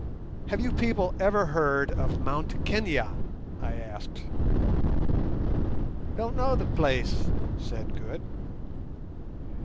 "Have you people ever heard of Mt Kenia?" I asked. "Don't know the place," said Good.